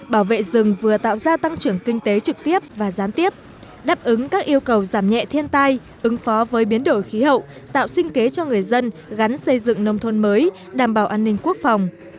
bảo vệ rừng vừa tạo ra tăng trưởng kinh tế trực tiếp và gián tiếp đáp ứng các yêu cầu giảm nhẹ thiên tai ứng phó với biến đổi khí hậu tạo sinh kế cho người dân gắn xây dựng nông thôn mới đảm bảo an ninh quốc phòng